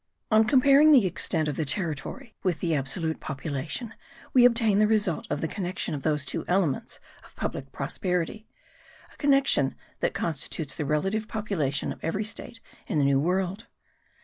On comparing the extent of the territory with the absolute population, we obtain the result of the connection of those two elements of public prosperity, a connection that constitutes the relative population of every state in the New World.